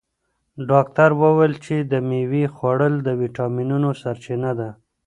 ډاکتر وویل چې د مېوې خوړل د ویټامینونو سرچینه ده.